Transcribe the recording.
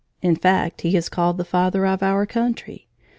In fact he is called the Father of our country.